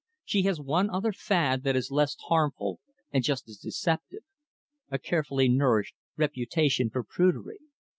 She has one other fad that is less harmful and just as deceptive a carefully nourished reputation for prudery.